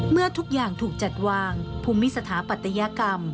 เมื่อทุกอย่างถูกจัดวางภูมิสถาปัตยกรรม